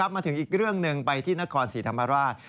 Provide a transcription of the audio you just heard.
มาถึงอีกเรื่องหนึ่งไปที่นครศรีธรรมราช